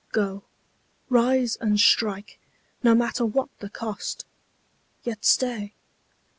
Go; rise and strike, no matter what the cost. Yet stay.